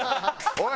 おい！